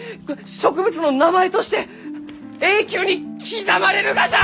植物の名前として永久に刻まれるがじゃ！